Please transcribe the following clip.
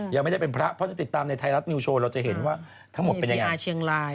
ยังไม่ได้เป็นพระเพราะถ้าติดตามในไทยรัฐนิวโชว์เราจะเห็นว่าทั้งหมดเป็นยังไง